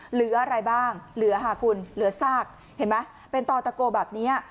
เหลืออะไรบ้างเหลือค่ะคุณเหลือซากเห็นไหมเป็นต่อตะโกแบบนี้